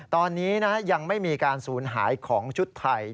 ตอนนี้ยังไม่มีการสูญหายของชุดไทย